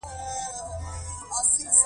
هغه پوه شو چې ډګروال خپله ګیله ده ته کوي